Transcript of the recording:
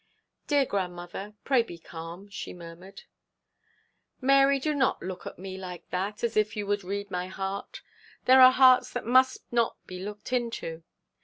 'Dear grandmother, pray be calm,' she murmured. 'Mary, do not look at me like that, as if you would read my heart. There are hearts that must not be looked into.